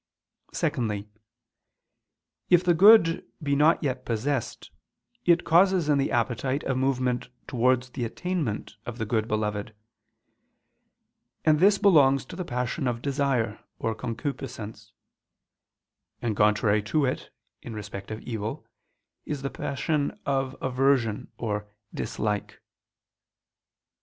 Secondly, if the good be not yet possessed, it causes in the appetite a movement towards the attainment of the good beloved: and this belongs to the passion of desire or concupiscence: and contrary to it, in respect of evil, is the passion of aversion or _dislike.